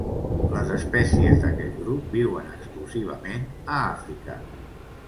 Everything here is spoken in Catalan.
Les espècies d'aquest grup viuen exclusivament a Àfrica.